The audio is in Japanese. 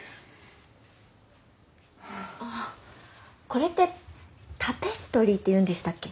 これってタペストリーっていうんでしたっけ？